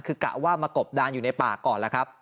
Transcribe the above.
คือกะว่ามากบดานอยู่ในป่าก่อนแล้วครับ